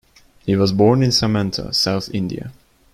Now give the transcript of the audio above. He was born in Samanta, South India.